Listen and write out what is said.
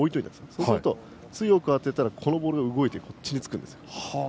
そうすると、強く当てたらこのボールが動いて動くんです。